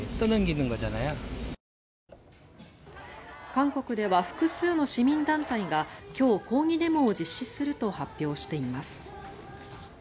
韓国では複数の市民団体が今日、抗議デモを実施すると発表しています。